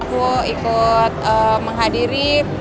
aku ikut menghadiri